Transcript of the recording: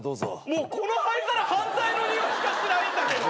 もうこの灰皿犯罪のにおいしかしないんだけど。